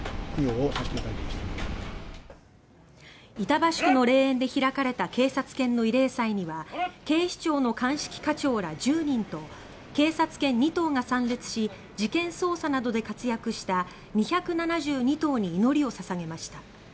板橋区の霊園で開かれた警察犬の慰霊祭には警視庁の鑑識課長ら１０人と警察犬２頭が参列し事件捜査などで活躍した２７２頭に祈りを捧げました。